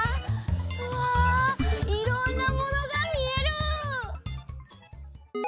うわいろんなものがみえる！